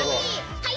はい！